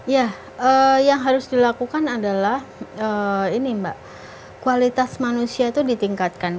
ya yang harus dilakukan adalah ini mbak kualitas manusia itu ditingkatkan